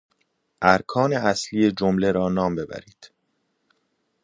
ارکان اصلی جمله را نام ببرید.